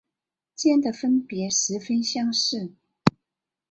间的分别十分相似。